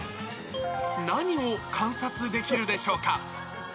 何を観察できるでしょうか。